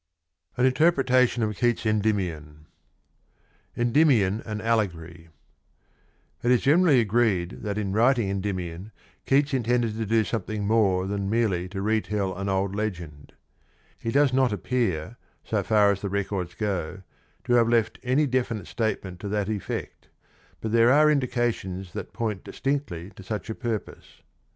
An Interpretation of Keatss Endymion TT is generally agreed that in writing Endymion ^,^^'>j^^'°° "^^ Keats intended to do something more than merely to re tell an old legend. He does not appear, so far as the records go, to have left any definite statement to that effect, but there are indications that point distinctly to such a purpose.